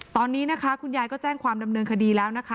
ตอนนี้นะคะคุณยายก็แจ้งความดำเนินคดีแล้วนะคะ